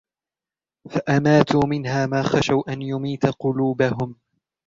فَأَمَاتُوا مِنْهَا مَا خَشُوا أَنْ يُمِيتَ قُلُوبَهُمْ